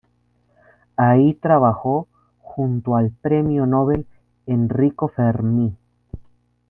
Allí trabajó junto al premio Nobel Enrico Fermi.